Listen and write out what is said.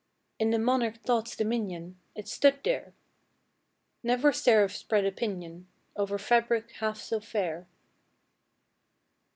In the monarch Thought's dominion It stood there! Never seraph spread a pinion Over fabric half so fair!